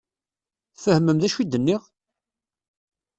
Tfehmem d acu i d-nniɣ?